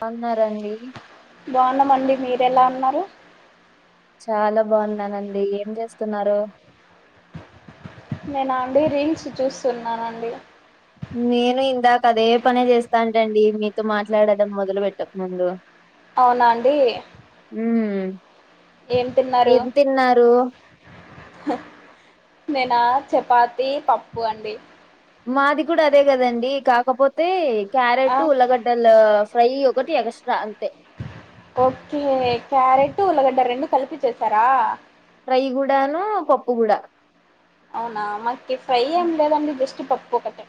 బాగున్నారా అండి బాగున్నాంమండి మీరు ఎలా ఉన్నారు చాలా బాగున్నానండి ఏం చేస్తున్నారు నేనా అండి రీల్స్ చూస్తున్నానండి నేను ఇందాక అదే పనే చేస్తాంటండి మీతో మాట్లాడడం మొదలు పెట్టకముందు. అవునా అండి ఉం ఏం తిన్నారు హా నేనా చపాతి పప్పు అండి మాది గుడా అదే కదండి కాకపోతే ఆ క్యారెట్ ఉల్లగడ [unintelligible] ఫ్రై ఒకటి ఎగస్త్రా అంతే ఓకే క్యారెట్ ఉల్లగడ్డ రెండు కలిపి చేస్థారా ఫ్రై గుడను పప్పుగూడ అవునా మాకి ఫ్రై ఏం లేదండి జస్ట్ పప్పు ఒకటే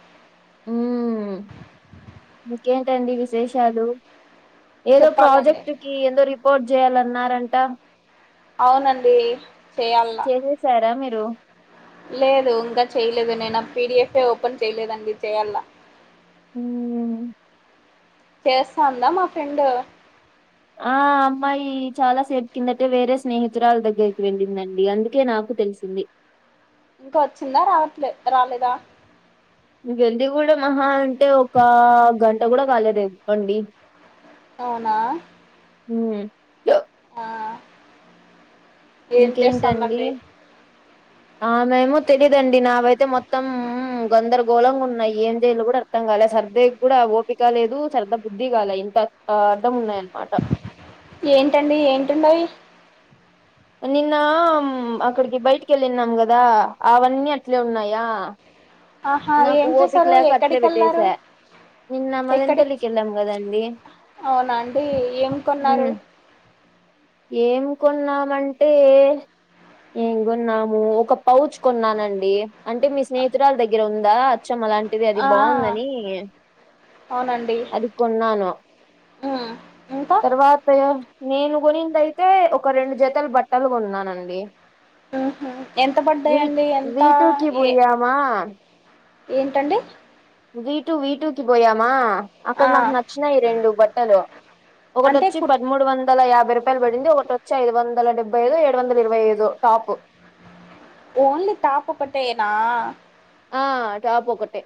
ఉం ఇంకేంటండి విశేషాలు ఏదో చెప్పాలండి ప్రాజెక్ట్ కి ఏందో రిపోర్ట్ చేయాలన్నారంట అవునండి చేయాల చూసారా మీరు లేదు ఇంకా చేయలేదు నేను ఆ పిడిఎఫ్ యే ఒపెన్ చేయలేదండి చేయ్యాల ఉం చేస్తాందా మా ఫ్రెండ్ ఆ అమ్మాయి చాలా సేపు కిందటే వేరే స్నేహితురాల దగ్గరికి వెళ్ళిందండి అందుకే నాకు తెలిసింది ఇంకా వచ్చిందా రావట్లే రాలేదా ఇంగ వెల్లి కూడా మహా అంటే ఒక గంట గూడ కాలేదు అండి అవునా ఉం ఆ ఏం చేస్తందండీ ఆమే ఏమో తెలీదండి నావైతే మొత్తం ఉం గందరగోళంగా ఉన్నాయి ఏం చేయలో కూడా అర్థం కాలే సర్దే కూడా ఓపిక లేదు సర్దా బుద్ధి కాలే ఇంత అడ్డం ఉన్నాయ అన్నమాట ఏంటండి ఎంట్టండాయి నిన్న మా అక్కడికి బయటికి వెళ్ళన్నాం కదా అవన్నీ అట్లే ఉన్నాయా ఆహా నాకు ఏం ఓపిక చేసారు లేక అట్లే ఎక్కడికి వెళ్లారు పెట్టేసా. నిన్న ఎక్కడికి మదనపల్లికి వెళ్ళాం కదండి అవునా అండి ఏం కొన్నారు ఉమ్, ఏం కొన్నామంటే ఏం కొన్నాము ఒక పౌచ్ కొన్నానండి అంటే మీ స్నేహితురాల దగ్గర ఉందా అచ్చం అలాం అది ఆ బాగుందని అది కొన్నాను హుమ్ ఇంక తర్వాత నేను కొనిందయితే ఒక రెండు జతలు బట్టలు కొన్నానండి హూ హమ్ ఎంత వీ పడ్డాయండి ఎంత వీటూకి ఏ పోయామా ఏంటండి వీటుూ వీటుూకి పోయామా ఆ అక్కడ నాకు నచ్చినాయి రెండు బట్టలు అంటే ఒకటోచ్చి కుర్ పదమూడు వంద వందల యాభై రూపాయలు పడింది ఒకటి వచాయి ఐదు వందల డెబ్బై ఐదొ ఏడు వందల ఇరవై ఐధో టాప్ ఓన్లీ టాప్ ఒకటేనా ఆ టాప్ ఒకటే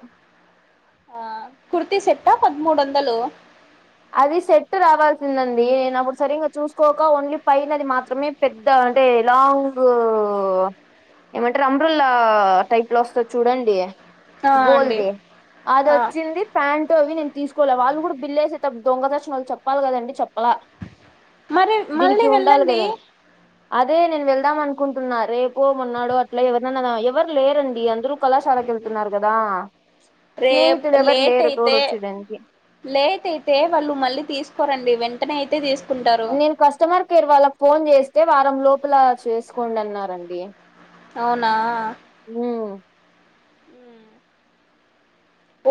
ఆ కుర్తి సెట్టా పదిమూడు వందలు అది సెట్ రావాల్సిందండి నేను అప్పుడు సరిగా చూసుకోక ఓన్లీ పైనైన అది మాత్రమే పెద్ద అంటే లాంగ్ ఏమంటారు అంబ్రలా టైప్ లో వస్తాధి చూడండి ఆ అండి గోల్దే అది ఆ వచ్చింది ప్యాంటు అవి నేను తీసుకోలె వాళ్ళు కూడా బిల్లేేసే టపప్పు దొంగ సచినోలు చెప్పాలి కదండి చెప్పలా మరి మళ్ళీ దీనికి ఉండాలి వెళ్ళండి కదని అదే నేను వెళ్దాం అనుకుంటున్నా రేపు మొన్నాడో అట్లా ఎవరనా ఎవరు లేరండి అందరు కళాశాలకు వెళ్తున్నారు కదా రేప్ స్నేహితుడు ఎవరు లేట్ లేరు అయితే తోడొచ్చేదానికి లేట్ అయితే వాళ్ళు మళ్ళీ తీసుకోరండి వెంటనే అయితే తీసుకో నేను కస్టమర్ కేర్ వాళ్ళకు ఫోన్ చేస్తే వారం లోపల చేసుకోండి అన్నారండి అవునా ఊ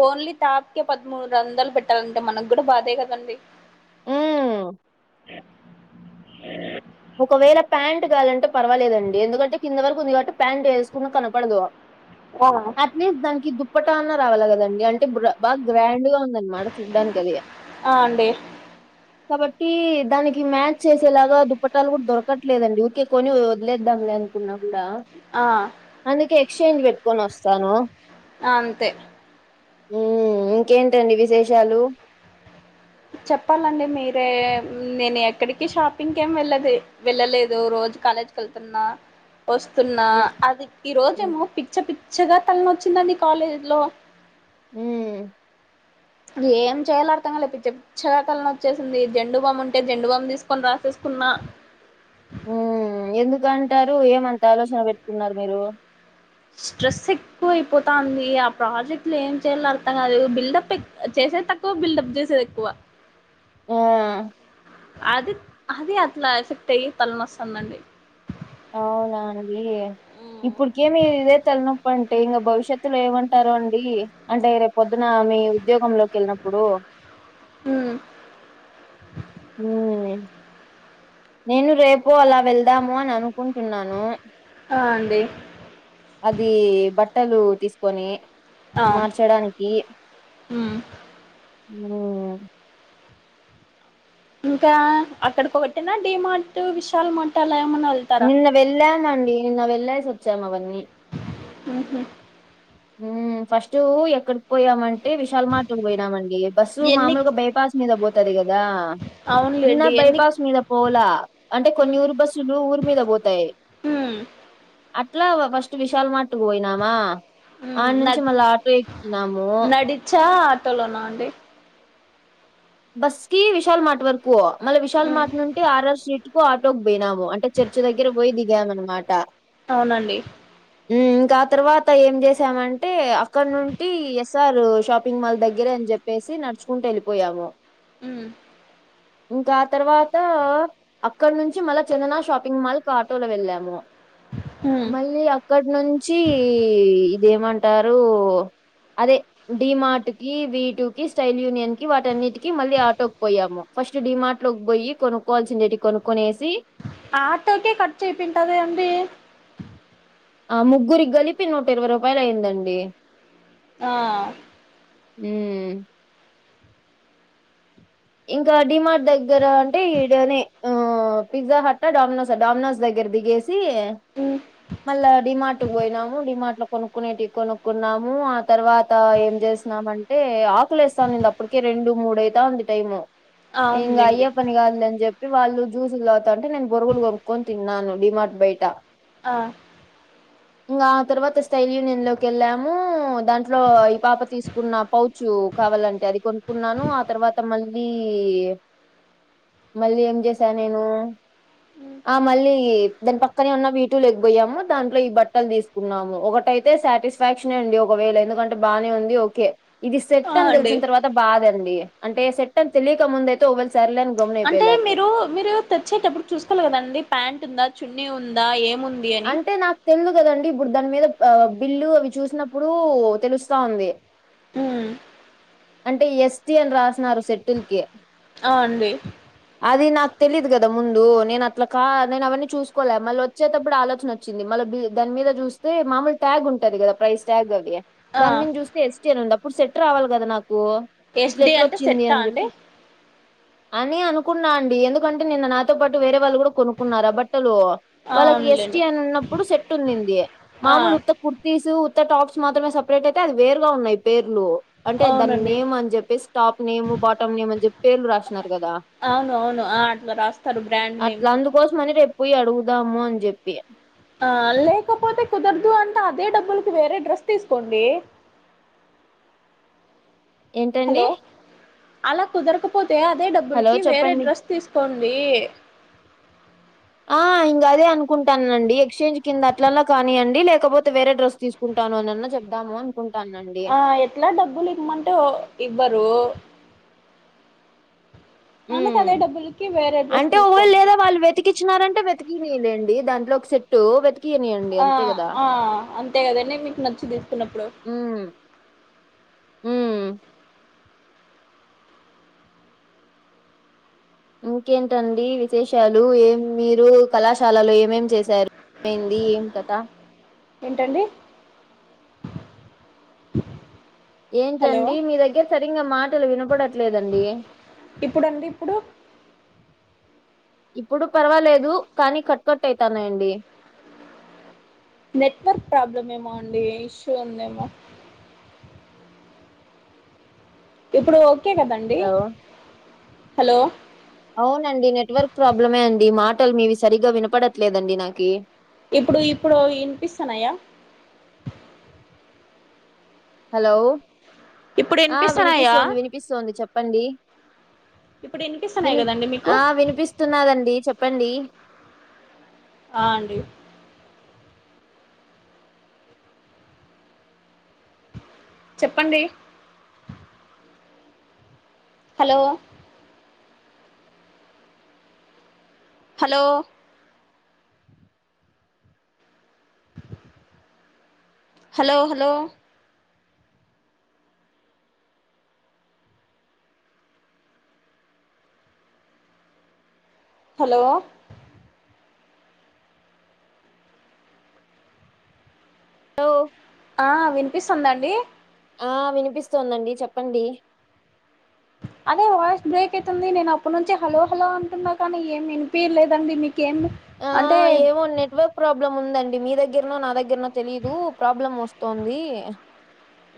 ఓన్లీ టాప్కే పదమూడు వందలు పెట్టాలంటే మనకు గుడా బాధే కదండి ఊ ఒకవేళ ప్యాంట్ కావాలంటే ఒకవేళ ఒకవేళ ఒకవేళ ప్యాంట్ గాలంటే పర్వాలేదండి ఎందుకంటే కింద వరకు ఉంది కాబట్టి ప్యాంట్ వేసుకున్న కనపడదు ఆ అట్లీస్ట్ దానికి దుప్పట అన్నా రావాలి కదండి అంటే బ్ర బాగా గ్రాండ్ గా ఉన్ దాని మాడ చూడ్డానికి కదే ఆ అండి కాబట్టి దానికి మ్యాచ్ చేసేలాగా దుప్పట్ ట్టాలు కూడా దొరకట్లేదండి ఊరికే కొని వదిలేద్దాం లే అనుకున్నా కూడా ఆ అందుకే ఎక్స్చేంజ్ పెట్టుకొని వస్తాను అంతే ఉమ్ ఇంకేంటండి విశేషాలు చెప్పాలండి మీరే నేను ఎక్కడికి షాపింగ్ ఏమి వెళ్ళదు వెళ్ళలేదు రోజు కాలేజీకి వెళ్తున్నా వస్తున్న ఉమ్ అది ఈ రోజేమో పిచ్ఛ పిచ్చగా తలనొచ్చిందండి కాలేజ్లో ఊ ఏం చేయలో ఆర్తం గాలే పిచ్చక్ చానా తల నోచ్చేసింది జండు బామ్ ఉంటే జెండు బామ్ తీసుకొని రాసేసుకున్నా ఊ ఎందుకంటారు ఏమంత ఆలోచన పెట్టుకున్నారు మీరు స్ట్రెస్ ఎక్కువ అయిపోతంది ఆ ప్రాజెక్ట్ లో ఏం చేయలే అర్తగాలేదు బిల్డపెక్ చేసేతక్ కో బిల్డప్ చేసెది ఎక్కువ యా అది అది అట్లా ఎఫెక్ట్ అయ్యి తలనోస్తందాండి అవునా అండి ఇప్పటికేమి ఇదే తెలనొప్ప అంటే ఇంకా భవిష్యత్తులో ఏమంటారో అండి అంటే రేపు పొద్దున మీ ఉద్యోగంలోకి వెళ్ళినప్పుడు ఊ ఊ ఏ నేను రేపు అలా వెళ్దాము అని అనుకుంటున్నాను ఆ అండి అది బట్టలు తీసుకొని మార్చడానికి ఊ ఊ ఇంకా అక్కడకొకటినా డి మార్ట్ విశాల మట్ అలా ఏమన్నా వెళ్తారా నిన్న వెళ్ళామండి నిన్న వెళ్లేస్ వచ్చాం అవన్నీ ఉహు ఊ ఫస్ట్ ఎక్కడికి పోయామంటే విశాల మాట్ కు పోయినామండి బస్సు ఎన్ని మామూలుగా బైపాస్ మీద పోతది కదా నిన్న అవునులేండి ఎన్ని బైపస్ మీద పోలా అంటే కొన్ని ఊరు బస్సులు ఊరి మీద పోతాయి మ్మ్ అట్లా ఫస్ట్ విశల్ మటుకు పోయినామా మ్మ్ ఆనుంచి మళ్ళా ఆటో ఎక్కినాము చ ఆటోలోనా అండి బస్కి విశాల్ మాట్ వర్కుపో మల్ల విశల్ మ్మ్ మాట్ ఆర్ ఆర్ స్్రీట్ కు ఆటోకు పోయినాము అంటే చర్చ దగ్గర పోయి దిగామన్ మాట అవునండి ఇంకా ఆ తర్వాత ఏం చేసామంటే అక్కడ నుంటి ఎస్ సార్ షాపింగ్ మాల్ దగ్గరే అని చెప్పేసి నడుచుకుంటూ వెళ్ళిపోయాము ఉ ఇంకా ఆ తర్వాత అక్కడ నుంచి మళ్ళా చందన షాపింగ్ మాల్ కు ఆటోలో వెళ్ళాము మ్మ్ మళ్ళీ అక్కడ్నుంచి ఇదేమంటారు అదే డి మార్ట్ కి వీటు కి స్టైల్ యూనియన్ కి వాటన్నిటికి మళ్ళీ ఆటోక్ పోయ్యాము ఫస్ట్ డిమార్ట్ లోకి పోయి కొనుక్కోవాల్సిం [unintelligible] కొనుక్కొనేసి ఆటోకే ఖర్చయిపొయింటదండి ఆ ముగ్గురికి కలిపి నూట ఇరవై రూపయలు అయ్యందండి ఆ ఉ ఇంకా డిమార్ దగ్గర అంటే ఇడనే ఆ పిజ్జా హట్ట డామినోస్ా డామినోస్ దగ్గర దిగేసి మళ్ళ డిమార్ట్ కు పోయిన డిమాట్లో కొనుక్కునేటి కొనుక్కున్నాము ఆ తర్వాత ఏం చేసినన్నామ అంటే ఆకులిస్తా ఉన్నింది అప్ అప్పటికే రెండు మూడయితాంది టైము ఇంగ అవునులేండి అయ్యేపన్ కాదులే అని చేప్ ఇగ వాళ్ళు జూసులు తాగుతాంటే నేన్ బొరుగులు కొనుక్కొని తిన్నాను డిమార్ట్ బయట ఆ ఇంకా తర్వాత స్టైల్ యూనియన్ లోకి ఎళ్ళాము దాంట్లో పాప తీసుకున్న పౌచు కావాలంటే అది కొనుక్కున్నాను ఆ తర్వ అ మళ్ళీ మళ్ళీ ఏం చేస నేను ఆ మళ్ళీ దాని పక్కనే ఉన్న వీటులు పోయాము దాంట్లో ఈ బట్టలు తీ కున్నాము ఒకటైతే సాటిస్ఫాక్షన్ అండి ఒకవేళ ఎందుకంటే బానే ఉంది ఓకే ఇది ఆ సెట్టని అండి తెలిసిన తర్వాత బాదండి అంటే సెట్టని తెలియక ముందయితే ఒకవేళ సర్లే అంటే మీరు మీరు తెచ్చేటప్పుడు చూసుకోవాలి కదండి ప్యాంట్ ఉందా చున్నీ ఉందా ఏముం అంటే నాకు తెలిదు కదండి ఇప్పుడు దాన్ మీద బిల్లు అవి చూసినప్పుడు తెలుస్తా ఉంది హ్మ్. అంటే ఎస్టీ అన్ రాసినారు [unintelligible] అ అండి అది నాకు తెలీయదు కదా ముందు నేను అట్లా కాద్ నేను అవన్నీ చూసుకోలే మళ్ళో వచ్చేటప్పుడు ఆలోచన వచ్చింది మళ్ళీ దని మీద చూస్తే మామూలు ట్యాగ్ ఉంటుంది కదా ప్రైస్ ట్యాగ్ అది ఆ దాని మీద చూస్తే ఎస్యర్ ఉంది అప్పుడు సెట్ రావాలి కదా నాకు ఇట్లా ఎస్డి ఎట్లా అంటే వచ్చింది సెట్టా అని అండి చెప్పి అని అనుకున్నా అండి ఎందుకంటే నిన్న నాతో పాటు వేరే వాళ్ళు కూడా కొనుక్కున్నారా బట్టలు వాళ్ళకు ఎస్టీ అవునులేండి అని ఉన్నప్పుడు సెట్టు ఉండింది ఆ మామూలు ఉత్త క్ కుర్తీస్ ఉత్త టాప్స్ మాత్రమే సప్రేట్ అయితే అది వేరుగా ఉన్నాయి పేర్లు అంటే దాని అవునండి నేమ్ అని చెప్పేసి టాప్ నేమ్ బాటమ్ నేమ్ అని చెప్పి పేర్లు రాసినన్నారు కదా అవును అవును అట్ల రాస్తారు బ్రాండ్ నేమ్స్ కోసమని రేప్ పొయి అడుగుదాము అని చెప్పి ఆ లేకపోతే కుదరదు అంటే అదే డబ్బులకి వేరే డ్రెస్ తీసుకోండి ఏంటండి అల కుదరకపోతే అదే హలో డబ్బులకి వేరే చెప్పండి డ్రెస్ తీసుకోండి ఆ ఇంగా అదే అనుకుంటాన్నా అండి ఎక్చేంజ్ కింద అట్లన్నా కానీయండి లేకపోతే వేరే డ్రస్ తీసుకు కుంటాను అనన్నా చెప్ధాము కుంటాన్నాను ఆ ఎట్లా డబ్బులు ఇమ్మంటే ఇవ్వరు అందుకు ఉమ్ అదే డబ్బులకి వేరే డ్రస్ అంటే ఒకవేళ తీసుకోండి లేదా వాళ్ళు వెతికిచ్చినారంటే వెతికినీలేండి దాంట్లోకి సెట్టు వెతిక్ కీయనియండి ఆ ఆ అంతే గదండి మీకు నచ్చి తీసుకున్నప్పుడు మ్మ్ ఇంకేంటండి విశేషాలు ఏం మీరు కళాశాలలో ఏమేం చేశారు ఎమైంది ఏం కథ ఏంటండి హలో ఏంటండి మీ దగ్గర సరింగా మాటలు వినపడట్లేదండి ఇప్పుడండి ఇప్పుడు ఇప్పుడు పర్వాలేదు కానీ కట్ కట్ అయితాన్నాయండి నెట్వర్క్ ప్రాబ్లం ఏమో అండి ఇష్యూ ఉందేమో ఇప్పుడు ఓకే కదండి హలో హలో అవునండి నెట్వర్క్ ప్రాబ్లమే అండి మాటలు మీవి సరిగా వినపడట్లేదండి నాకి ఇప్పుడు ఇప్పుడు వినిపిస్తాన్నయా ఇప్పుడు ఆ వినిపిస్తున్నాయా వినిపిస్తోంది వినిపిస్తోంది చెప్పండి ఇప్పుడు వినిపిస్తున్నాయి వినిప్ కదండి మీకు ఆ వినిపిస్తున్నాదండి చెప్పండి ఆ అండి చెప్పండి hello hello hello hello hello hello ఆ వినిపిస్తుందండి ఆ వినిపిస్తోందండి చెప్పండి అదే వాయిస్ బ్రేక్ అయితుంది నేను అప్పటి నుంచి హలో హలో అంటున్నా కానీ ఏం వినిపీయలేదండి మీకేమి ఆ ఏమొ నెట్వర్క్ ప్రాబ్లం ఉందండి మీ దగ్గర్నో నా దగ్గర్నో తెలీదు ప్రాబ్లం వస్తోంది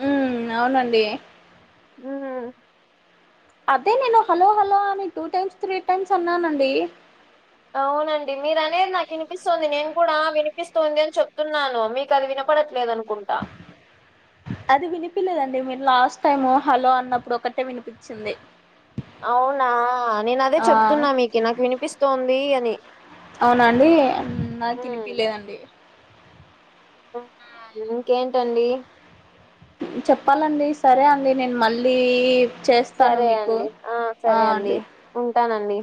మ్మ్ అవునండి మ్మ్ అదే నేను హలో హలో అని టూ టైమ్స్ త్రీ టైమ్స్ అన్నానండి అవునండి మీరు అనేది నాకు వినిపిస్తోంది నేను కూడా వినిపిస్తోంది అని చెప్తున్నాను మీ క అది వినపడట్లేదనుకుంటా అది వినిపీలేదండి మీరు లాస్ట్ టైము హలో అన్నప్పుడొకటే వినిపిచ్చింది అవునా నేను అదే ఆ చెప్తున్నా మీకు నాకు వినిపిస్తోంది అని అవున అండి నాకు హ్మ్ వినిపిలేదండి ఇంకేంటండి చెప్పాలండి సరే అండి నేన్ మళ్ళీ చేస్తాను సరే మీకు అండి ఆ సరే అండి ఉంటానండి